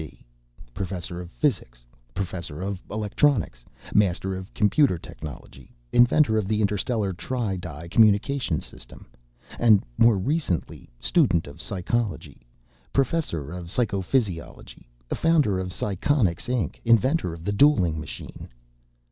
D., Professor of Physics, Professor of Electronics, master of computer technology, inventor of the interstellar tri di communications system; and more recently, student of psychology, Professor of Psychophysiology, founder of Psychonics, Inc., inventor of the dueling machine.